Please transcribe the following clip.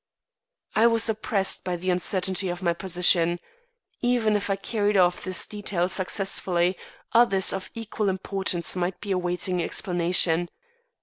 I was oppressed by the uncertainty of my position. Even if I carried off this detail successfully, others of equal importance might be awaiting explanation.